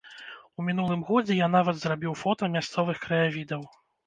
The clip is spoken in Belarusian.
У мінулым годзе я нават зрабіў фота мясцовых краявідаў.